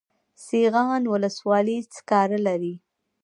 سیغان ولسوالۍ سکاره لري؟